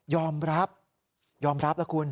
ยอมรับยอมรับแล้วคุณ